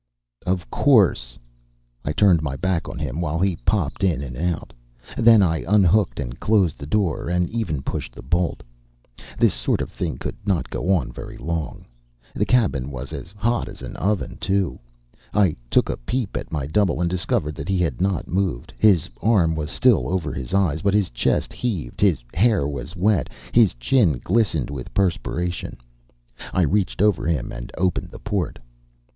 "Of course!" I turned my back on him while he popped in and out. Then I unhooked and closed the door and even pushed the bolt. This sort of thing could not go on very long. The cabin was as hot as an oven, too. I took a peep at my double, and discovered that he had not moved, his arm was still over his eyes; but his chest heaved; his hair was wet; his chin glistened with perspiration. I reached over him and opened the port.